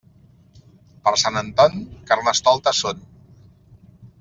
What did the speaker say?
Per Sant Anton, Carnestoltes són.